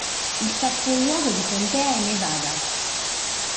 Il capoluogo di contea è Nevada.